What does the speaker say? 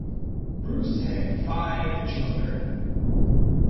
Bruce had five children.